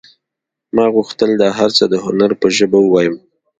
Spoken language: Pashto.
ما غوښتل دا هر څه د هنر په ژبه ووایم